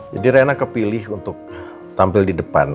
jadi reina kepilih untuk tampil di depan